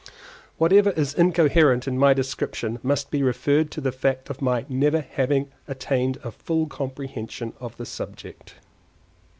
Whatever is incoherent in my description must be referred to the fact of my never having attained to a full comprehension of the subject.